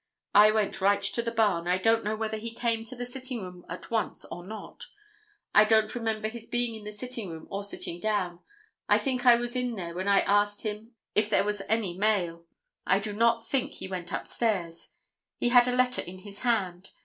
I went right to the barn. I don't know whether he came to the sitting room at once or not. I don't remember his being in the sitting room or sitting down. I think I was in there when I asked him if there was any mail. I do not think he went upstairs. He had a letter in his hand.